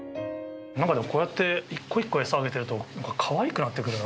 なんかでも、こうやって一個一個餌あげると、かわいくなってくるな。